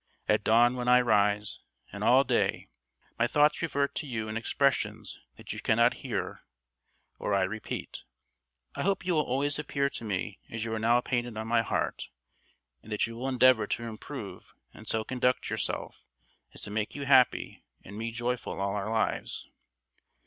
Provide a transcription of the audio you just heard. At dawn when I rise, and all day, my thoughts revert to you in expressions that you cannot hear or I repeat. I hope you will always appear to me as you are now painted on my heart, and that you will endeavour to improve and so conduct yourself as to make you happy and me joyful all our lives.